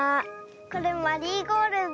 これマリーゴールド。